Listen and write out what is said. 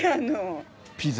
ピザ。